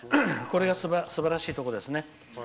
これがすばらしいところですね。